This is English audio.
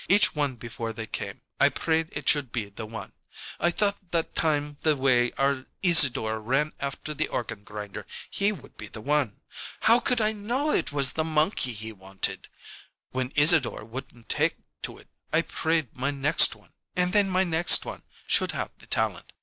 Each one before they came, I prayed it should be the one. I thought that time the way our Isadore ran after the organ grinder he would be the one. How could I know it was the monkey he wanted? When Isadore wouldn't take to it I prayed my next one, and then my next one, should have the talent.